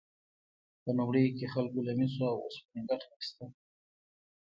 په لومړیو کې خلکو له مسو او اوسپنې ګټه اخیسته.